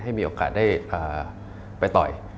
มีโอกาสได้ไปต่อย